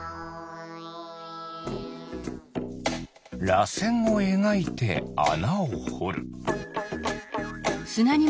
らせんをえがいてあなをほる。